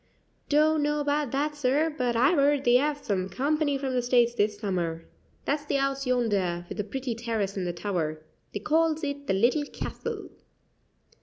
"Don't know about that, sir; but I've 'eard they 'ave some company from the States this summer. That's the house yonder, with the pretty terrace and the tower. They calls it the Little Castle."